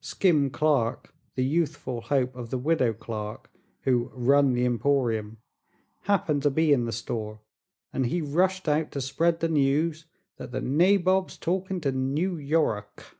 Skim Clark, the youthful hope of the Widow Clark, who "run the Emporium," happened to be in the store and he rushed out to spread the news that "the nabob's talkin' to New Yoruk!"